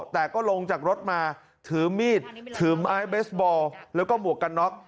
แต่ก็ลงจากรถมาถือมีดถือไม้เบสบอลแล้วก็หมวกกันน็อก